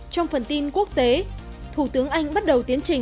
trong phần tin quốc tế thủ tướng anh bắt đầu tìm hiểu về những người đàn ông